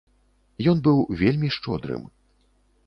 Ён быў вельмі шчодрым.